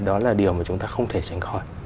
đó là điều mà chúng ta không thể tránh khỏi